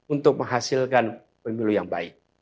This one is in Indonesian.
untuk menghasilkan pemilu yang baik